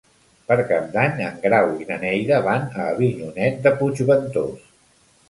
Per Cap d'Any en Grau i na Neida van a Avinyonet de Puigventós.